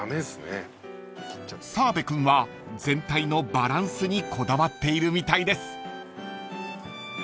［澤部君は全体のバランスにこだわっているみたいです］